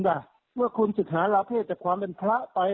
ว่าคุณศึกหาราเผศจากความเป็นพระไป